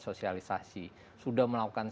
sosialisasi sudah melakukan